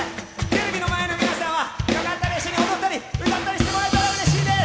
テレビの前の皆さんはよかったら一緒に歌ったり踊ったりしてもらえたらうれしいです。